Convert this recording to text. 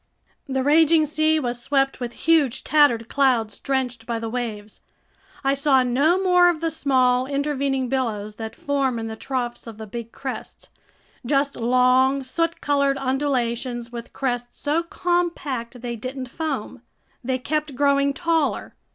The raging sea was swept with huge tattered clouds drenched by the waves. I saw no more of the small intervening billows that form in the troughs of the big crests. Just long, soot colored undulations with crests so compact they didn't foam. They kept growing taller.